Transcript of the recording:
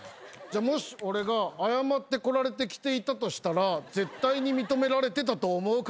じゃあもし俺が謝ってこられてきていたとしたら絶対に認められてたと思うか？